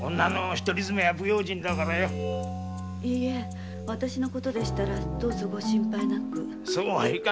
いいえ私の事でしたらどうぞご心配なく。